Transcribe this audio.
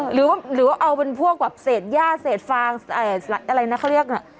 หรือว่าเอาเป็นพวกแบบเศษย่าเศษฟางอะไรนะเขาเรียกน่ะ